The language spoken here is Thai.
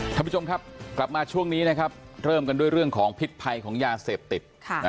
ท่านผู้ชมครับกลับมาช่วงนี้นะครับเริ่มกันด้วยเรื่องของพิษภัยของยาเสพติด